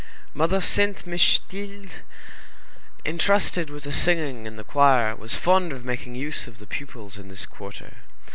Mother Sainte Mechtilde, intrusted with the singing and the choir, was fond of making use of the pupils in this quarter.